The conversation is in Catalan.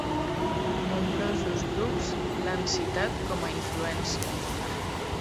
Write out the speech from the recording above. Nombrosos grups l'han citat com a influència.